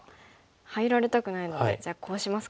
入られたくないのでじゃあこうしますか。